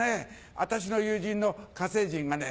私の友人の火星人がね